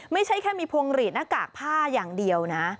ไม่ใช่แค่มีพวงหลีดหน้ากากผ้าอย่างเดียวนะ